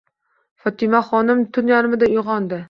Fotimaxonim tun yarmida uyg'ondi.